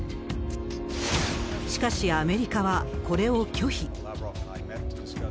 しかし、アメリカはこれを拒否。